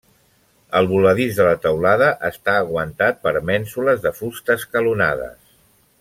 El voladís de la teulada està aguantat per mènsules de fusta escalonades.